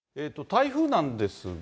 台風なんですが。